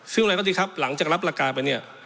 ซึ่งอะไรก็ดีครับหลังจากรับราคาไปเนี่ย